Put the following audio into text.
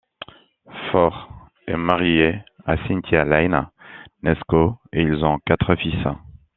Ford est marié à Cynthia Layne Neskow et ils ont quatre fils.